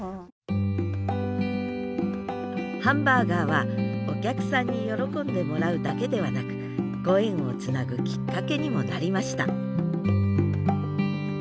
ハンバーガーはお客さんに喜んでもらうだけではなくご縁をつなぐきっかけにもなりました